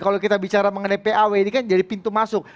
kalau kita bicara mengenai paw ini kan jadi pintu masuk